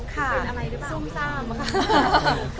ค่ะซุ่มซ่ามค่ะ